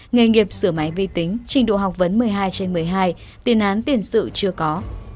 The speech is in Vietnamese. nghề nghiệp sửa máy vi tính trình độ học vấn một mươi hai trên một mươi hai tiền án tiền sự chưa có